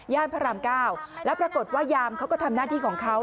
พระรามเก้าแล้วปรากฏว่ายามเขาก็ทำหน้าที่ของเขา